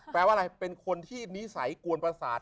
แปลว่าอะไรเป็นคนที่นิสัยกวนประสาท